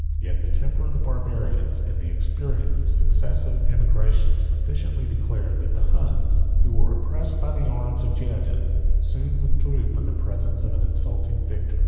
Yet the temper of the Barbarians, and the experience of successive emigrations, sufficiently declare, that the Huns, who were oppressed by the arms of the Geougen, soon withdrew from the presence of an insulting victor.